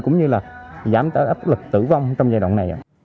cũng như là giảm tới áp lực tử vong trong giai đoạn này